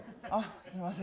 すみません。